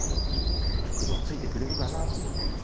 袋はついてくれるかなと思います。